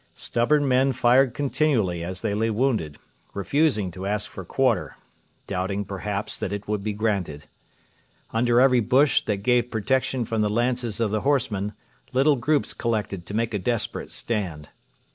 Stubborn men fired continually as they lay wounded, refusing to ask for quarter doubting, perhaps, that it would be granted. Under every bush that gave protection from the lances of the horsemen little groups collected to make a desperate stand.